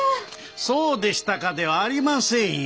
そうでしたかではありませんよ。